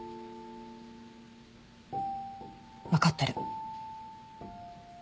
分かってる。